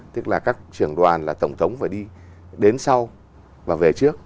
tức là các trưởng đoàn là tổng thống phải đi đến sau và về trước